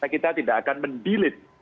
kita tidak akan mendelet